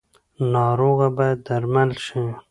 ناروغه باید درمل شي